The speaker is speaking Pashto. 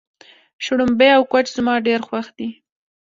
شړومبی او کوچ زما ډېر خوښ دي.